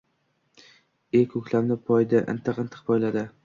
El ko‘klamni poyladi. Intiq-intiq poyladi.